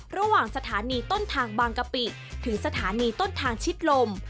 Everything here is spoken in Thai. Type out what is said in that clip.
ระหว่างสถานีต้นทางบางกะปิถึงสถานีต้นทางชิดลม